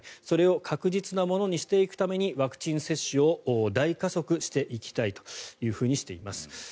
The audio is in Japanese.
それを確実なものにしていくためにワクチン接種を大加速していきたいとしています。